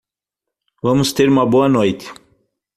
Vamos ter uma boa noite